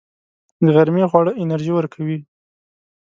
د غرمې خواړه انرژي ورکوي